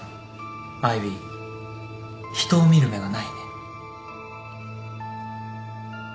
アイビー人を見る目がないね。